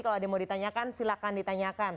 kalau ada yang mau ditanyakan silahkan ditanyakan